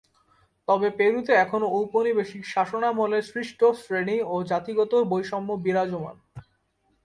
তবে পেরুতে এখনও ঔপনিবেশিক শাসনামলে সৃষ্ট শ্রেণী ও জাতিগত বৈষম্য বিরাজমান।